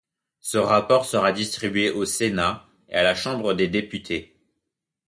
Ce rapport sera distribué au Sénat et à la Chambre des députés.